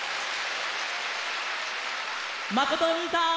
まことおにいさん！